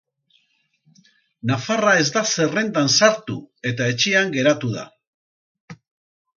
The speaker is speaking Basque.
Nafarra ez da zerrendan sartu eta etxean geratu da.